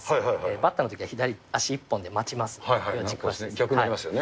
バッターのときは左足一本で待ち逆になりますよね。